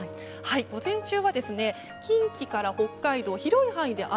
午前中は近畿から北海道広い範囲で雨。